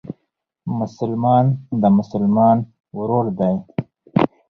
مسلمان د مسلمان ورور دئ.